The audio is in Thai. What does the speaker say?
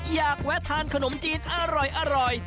แวะทานขนมจีนอร่อย